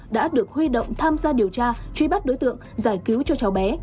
đã được huy động tham gia điều tra truy bắt đối tượng giải cứu cho cháu bé